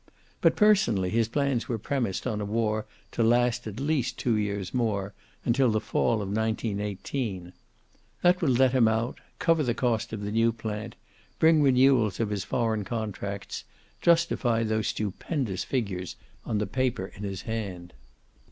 But personally his plans were premised on a war to last at least two years more, until the fall of 1918. That would let him out, cover the cost of the new plant, bring renewals of his foreign contracts, justify those stupendous figures on the paper in his hand.